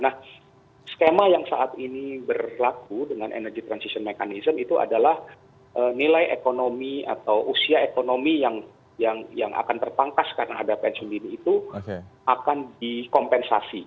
nah skema yang saat ini berlaku dengan energy transition mechanism itu adalah nilai ekonomi atau usia ekonomi yang akan terpangkas karena ada pensiun dini itu akan dikompensasi